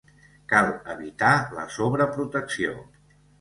Cal evitar la sobreprotecció.